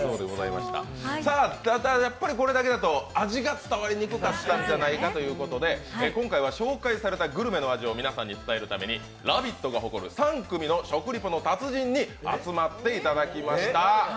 これだけだと味が伝わりにくかったんじゃないかと言うことで今回は紹介されたグルメの味を皆さんに伝えるために「ラヴィット！」が誇る３組の食リポの達人に集まっていただきました。